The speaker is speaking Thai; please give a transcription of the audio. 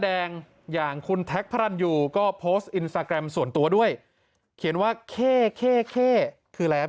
แดงอย่างคุณอยู่ก็ส่วนตัวด้วยเขียนว่าคืออะไรอ่ะ